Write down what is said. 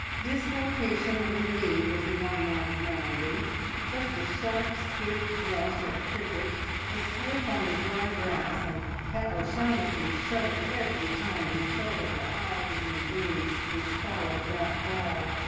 Dislocation of the knee was the young man's malady, just a sharp, swift rush at cricket, a slip on the dry grass, and Pat O'Shaughnessy shuddered every time he thought of the hours and days which followed that fall.